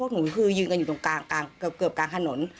หนูคือยืนอยู่เกือบด้านฝั่ง